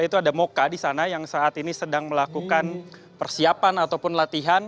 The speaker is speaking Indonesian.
yaitu ada moka di sana yang saat ini sedang melakukan persiapan ataupun latihan